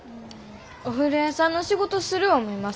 お風呂屋さんの仕事する思います。